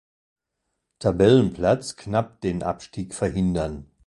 Tabellenplatz knapp den Abstieg verhindern.